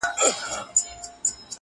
دا پېښه د ټولنې پر ذهن ژور اثر پرېږدي,